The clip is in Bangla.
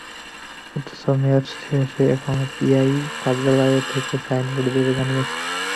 অথচ মেয়াদ শেষে এখন পিআইও কার্যালয় থেকে সাইনবোর্ড দেবে বলে জানিয়েছে।